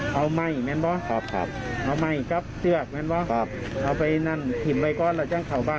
เรื่องที่ฉารัยาทบอกว่าเราก็เอาเงินประตานเขียวไป